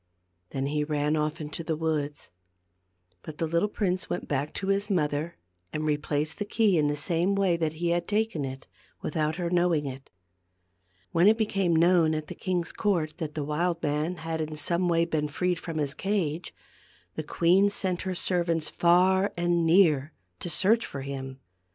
Then he ran off into the woods. But the little prince went back to his mother and replaced the key in the same way that he had taken it, without her knowing it. When it became known at the king's court that the wild man had in some way been freed from his cage, the queen sent her servants far and near to search for him.